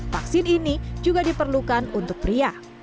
vaksin ini juga diperlukan untuk pria